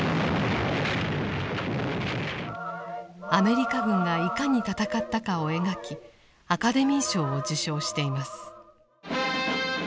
アメリカ軍がいかに戦ったかを描きアカデミー賞を受賞しています。